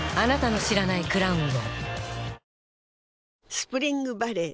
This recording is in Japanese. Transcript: スプリングバレー